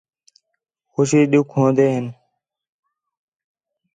خوشی ݙُکھ ہون٘دے ہِن